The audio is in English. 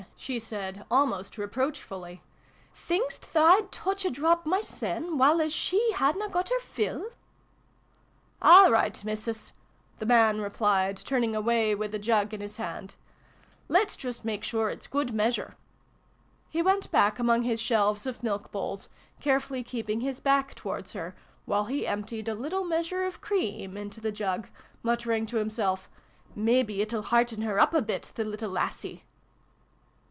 she said, almost reproach fully. " Think'st tha I'd touch a drop my sen, while as she hadna got her fill ?" "All right, Missus," the man replied, turning away with the jug in his hand. " Let's just rnak sure it's good measure." He went back among his shelves of milk bowls, carefully keep ing his back towards her while he emptied a little measure of cream into the jug, muttering to himself "mebbe it'll hearten her up a bit, the little lassie